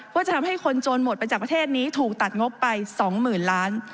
ว่าจะทำให้คนจนหมดไปจากประเทศนี้ถูกตัดงบไป๒๐๐๐ล้าน